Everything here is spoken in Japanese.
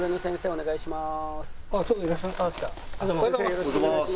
お願いします。